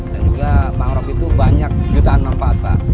dan juga mangrove itu banyak jutaan manfaat pak